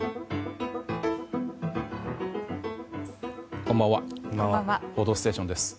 こんばんは「報道ステーション」です。